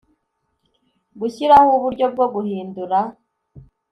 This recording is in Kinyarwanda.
Gushyiraho uburyo bwo guhindura